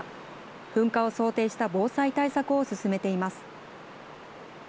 噴火を想定した防災対策を進めています。